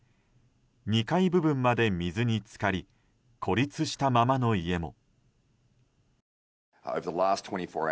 ２階部分まで水に浸かり孤立したままの家も。